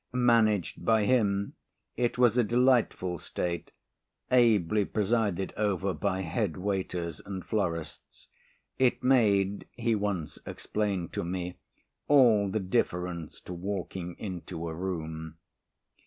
Managed by him, it was a delightful state, ably presided over by head waiters and florists. It made, he once explained to me, all the difference to walking into a room.